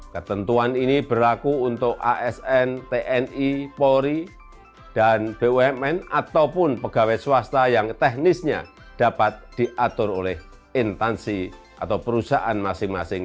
ketentuan ini berlaku untuk asn tni polri dan bumn ataupun pegawai swasta yang teknisnya dapat diatur oleh intansi atau perusahaan masing masing